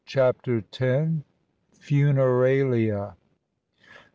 CHAPTER X. FUNERALIA.